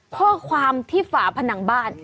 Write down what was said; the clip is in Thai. ข้อความที่ฝาผนังบ้าน